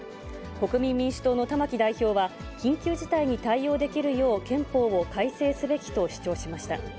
国民民主党の玉木代表は、緊急事態に対応できるよう憲法を改正すべきと主張しました。